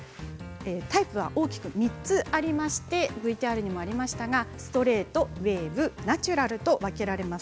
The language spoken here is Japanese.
タイプは大きく３つありましてＶＴＲにもありましたがストレート、ウエーブナチュラルと分けられます。